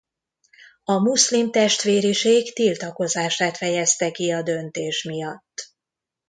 A Muszlim Testvériség tiltakozását fejezte ki a döntés miatt.